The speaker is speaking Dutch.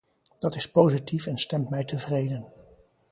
Dat is positief en stemt mij tevreden.